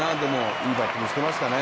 いいバッティングしていましたね。